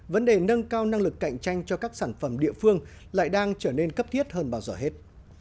vấn đề nâng cao năng lực cạnh tranh cho các sản phẩm địa phương lại đang trở nên cấp thiết hơn bao giờ hết